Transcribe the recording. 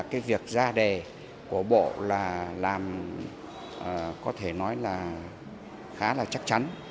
cái việc ra đề của bộ là làm có thể nói là khá là chắc chắn